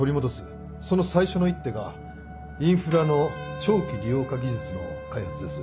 その最初の一手がインフラの長期利用化技術の開発です。